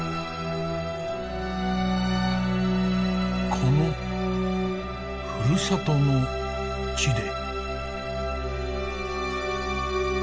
このふるさとの地で。